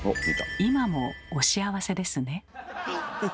今もお幸せですね。